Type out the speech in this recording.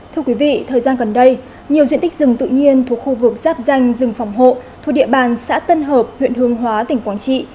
thưa quý vị thời gian gần đây nhiều diện tích rừng tự nhiên thuộc khu vực giáp danh rừng phòng hộ thuộc địa bàn xã tân hợp huyện hương hóa tỉnh quảng trị